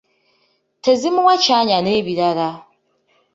Tezimuwa kyanya n’ebirala